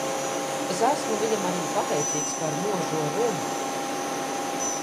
Es esmu viņam arī pateicīgs par možo runu.